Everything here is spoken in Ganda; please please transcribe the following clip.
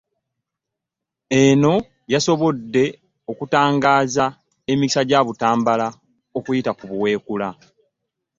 Eno yasobodde outangaaza emikisa gya Butambala okuyita ku Buweekula.